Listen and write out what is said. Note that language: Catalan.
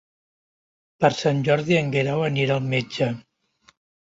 Per Sant Jordi en Guerau anirà al metge.